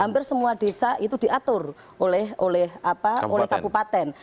hampir semua desa itu diatur oleh kabupaten